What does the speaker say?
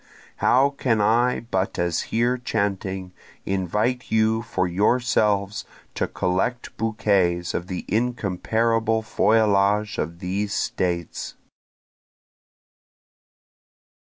How can I but as here chanting, invite you for yourself to collect bouquets of the incomparable feuillage of these States?